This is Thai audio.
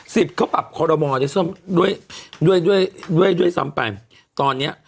สิทธิ์เขาปรับคอรมอได้ด้วยซ้ำไปตอนนี้